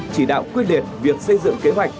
chỉ đạo quyết liệt việc xây dựng kế hoạch